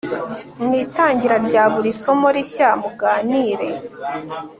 mu itangira rya buri somo rishya mu ganire